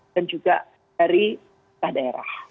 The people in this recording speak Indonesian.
dan juga dari tah daerah